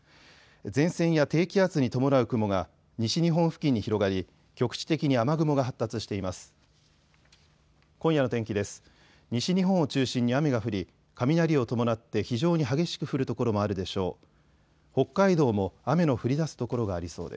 前線や低気圧に伴う雲が西日本付近に広がり局地的に雨雲が発達しています。